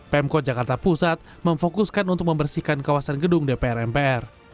pemkot jakarta pusat memfokuskan untuk membersihkan kawasan gedung dpr mpr